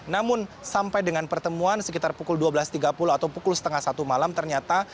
namun sampai dengan pertemuan sekitar pukul dua belas tiga puluh atau pukul setengah satu malam ternyata